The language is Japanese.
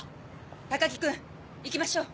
高木君行きましょう。